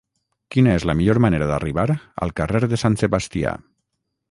Quina és la millor manera d'arribar al carrer de Sant Sebastià?